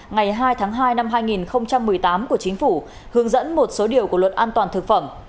ngày hai tháng hai năm hai nghìn một mươi tám của chính phủ hướng dẫn một số điều của luật an toàn thực phẩm